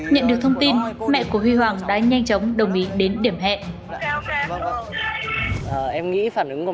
nhận được thông tin mẹ của huy hoàng đã nhanh chóng đồng ý đến điểm hẹn em nghĩ phản ứng của